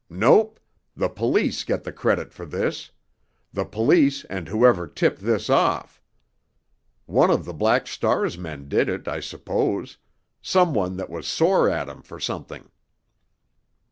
Nope! The police get the credit for this—the police and whoever tipped this off. One of the Black Star's men did it, I suppose—some one that was sore at him for something."